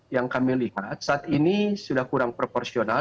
yang kami lihat saat ini sudah kurang proporsional